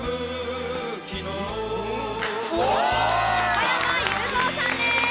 加山雄三さんです。